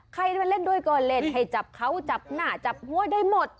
ใครมาเล่นด้วยก็เล่นให้จับเขาจับหน้าจับหัวได้หมด